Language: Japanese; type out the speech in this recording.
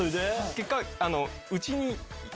結果。